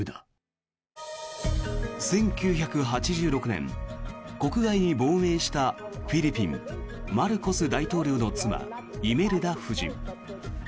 １９８６年、国外に亡命したフィリピン、マルコス大統領の妻イメルダ夫人。